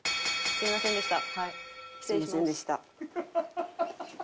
すいませんでした。